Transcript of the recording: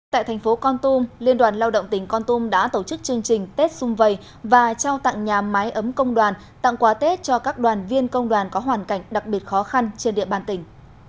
tại thành phố con tum liên đoàn lao động tỉnh con tum đã tổ chức chương trình tết xung vầy và trao tặng nhà máy ấm công đoàn tặng quà tết cho các đoàn viên công đoàn có hoàn cảnh đặc biệt khó khăn trên địa bàn tỉnh